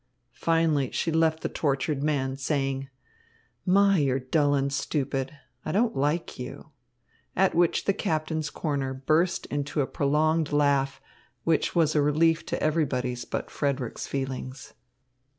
Finally, she left the tortured man, saying: "My, you're dull and stupid! I don't like you." At which the captain's corner burst into a prolonged laugh, which was a relief to everybody's but Frederick's feelings.